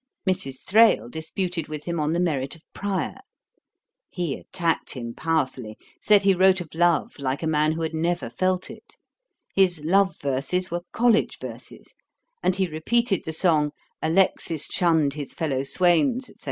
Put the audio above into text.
Mrs. Thrale disputed with him on the merit of Prior. He attacked him powerfully; said he wrote of love like a man who had never felt it: his love verses were college verses; and he repeated the song 'Alexis shunn'd his fellow swains,' &c.